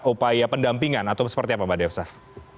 upaya pendampingan atau seperti apa mbak dewi saf